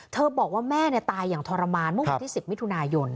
บอกว่าแม่ตายอย่างทรมานเมื่อวันที่๑๐มิถุนายน